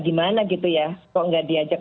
gimana gitu ya kok nggak diajak